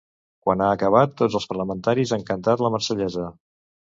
Quan ha acabat, tots els parlamentaris han cantat ‘La Marsellesa’.